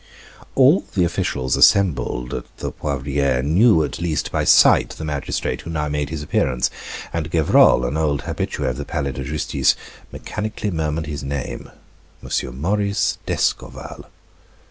All the officials assembled at the Poivriere knew at least by sight the magistrate who now made his appearance, and Gevrol, an old habitue of the Palais de Justice, mechanically murmured his name: "M. Maurice d'Escorval."